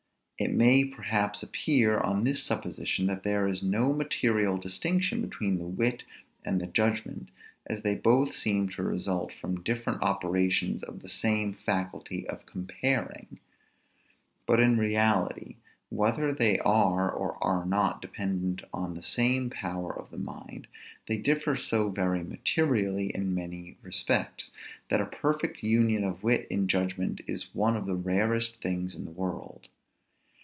It may perhaps appear, on this supposition, that there is no material distinction between the wit and the judgment, as they both seem to result from different operations of the same faculty of comparing. But in reality, whether they are or are not dependent on the same power of the mind, they differ so very materially in many respects, that a perfect union of wit and judgment is one of the rarest things in the world.